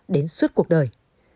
đến suốt cuộc đời